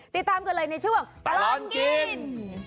ติดตามกันเลยในช่วงตลอดกิน